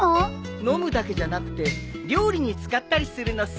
飲むだけじゃなくて料理に使ったりするのさ。